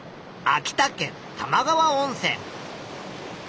秋田県玉川温泉。